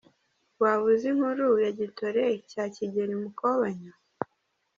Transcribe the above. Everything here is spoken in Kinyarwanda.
Waba uzi inkuru ya Gitore cya Kigeli Mukobanya?